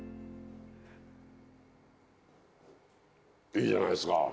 いいじゃないですか！